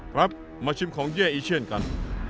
ครับมาชิมของเย่อีเชียนกัน